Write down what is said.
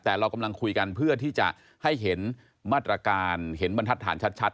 แต่เรากำลังคุยกันเพื่อที่จะให้เห็นมาตรการเห็นบรรทัศน์ชัด